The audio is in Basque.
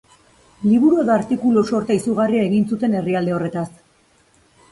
Liburu edo artikulu sorta izugarria egin zuen herrialde horretaz.